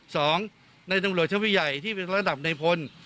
สองในตำรวจชั้นผู้ใหญ่ที่เป็นระดับในพล